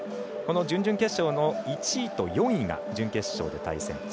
準々決勝の１位と４位が準決勝で対戦。